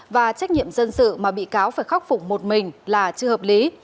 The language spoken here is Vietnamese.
và trách nhiệm dân sự mà bị cáo phải khắc phục một mình là chưa hợp lý